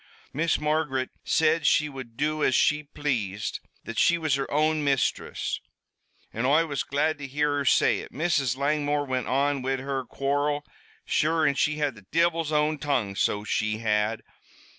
"Miss Margaret said she would do as she pl'ased that she was her own mistress an' Oi was glad to hear her say it. Mrs. Langmore went on wid her quarrel sure, an' she had the divil's own tongue, so she had.